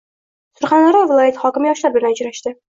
Surxondaryo viloyati hokimi yoshlar bilan uchrashdi